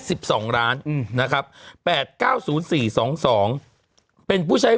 สิบสองล้านอืมนะครับแปดเก้าศูนย์สี่สองสองเป็นผู้ใช้